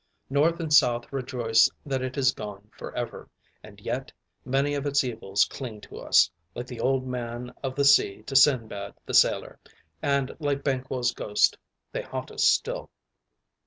North and South rejoice that it is gone forever, and yet, many of its evils cling to us, like the Old Man of the Sea to Sinbad the sailor, and, like Banquo's ghost, they haunt us still.